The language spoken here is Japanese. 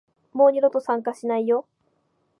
もう二度と参加しないよ